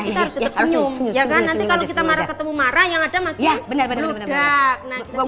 kita harus senyum ya nanti kalau kita marah ketemu marah yang ada makin berudak